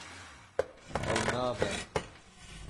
Ew nabe.